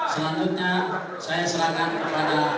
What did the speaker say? selanjutnya saya serangan kepada